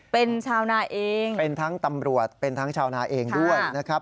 เป็นชาวนาเองเป็นทั้งตำรวจเป็นทั้งชาวนาเองด้วยนะครับ